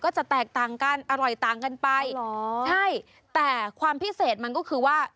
จะแตกต่างกันอร่อยต่างกันไปเหรอใช่แต่ความพิเศษมันก็คือว่า